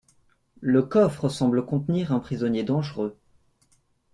Le coffre semble contenir un prisonnier dangereux.